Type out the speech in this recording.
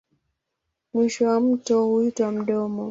Mwisho wa mto huitwa mdomo.